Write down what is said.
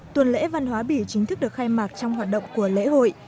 tuần lễ văn hóa bỉ chính thức được khai mạc trong hoạt động của lễ hội